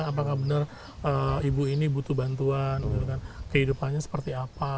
apakah benar ibu ini butuh bantuan kehidupannya seperti apa